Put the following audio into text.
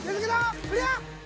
クリア？